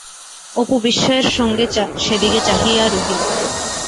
অপু বিস্ময়ের সঙ্গে সেদিকে চাহিয়া রহিল।